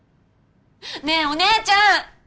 ねえお姉ちゃん！